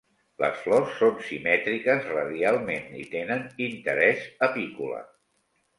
Les flors són simètriques radialment i tenen interès apícola.